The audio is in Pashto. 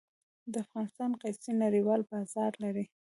د افغانستان قیسی نړیوال بازار لري